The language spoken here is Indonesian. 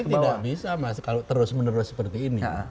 tidak bisa mas kalau terus menerus seperti ini